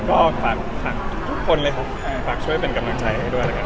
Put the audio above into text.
ก็ฝากทุกคนเลยฝากช่วยเป็นกำลังใจให้ด้วยนะครับ